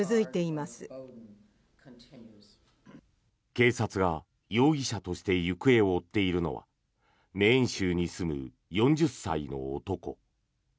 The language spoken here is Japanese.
警察が容疑者として行方を追っているのはメーン州に住む４０歳の男。